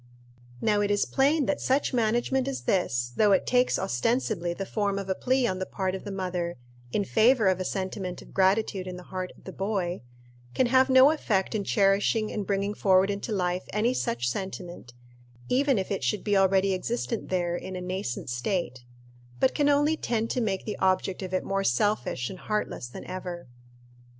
Now it is plain that such management as this, though it takes ostensibly the form of a plea on the part of the mother in favor of a sentiment of gratitude in the heart of the boy, can have no effect in cherishing and bringing forward into life any such sentiment, even if it should be already existent there in a nascent state; but can only tend to make the object of it more selfish and heartless than ever.